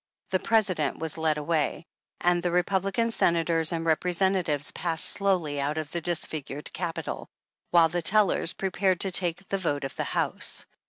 The President was led away, and the Republican Senators and Representatives passed slowly out of the dis figured Capitol, while the tellers prepared to take the vote of the House.